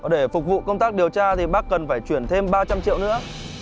để phục vụ công tác điều tra thì bác cần phải chuyển thêm ba trăm linh triệu nữa